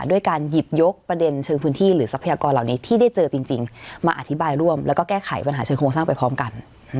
ด้วยการหยิบยกประเด็นเชิงพื้นที่หรือทรัพยากรเหล่านี้ที่ได้เจอจริงมาอธิบายร่วมแล้วก็แก้ไขปัญหาเชิงโครงสร้างไปพร้อมกัน